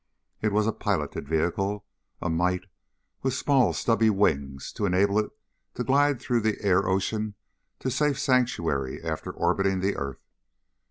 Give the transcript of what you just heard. It was a piloted vehicle, a mite with small stubby wings to enable it to glide through the air ocean to safe sanctuary after orbiting the earth.